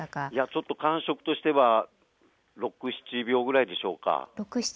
ちょっと感触としては６、７秒ぐらいでしょうか。